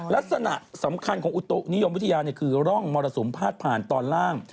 ลักษณะสำคัญของอุตุนิยมวิทยาคือร่องมรสุมพาดผ่านตอนล่าง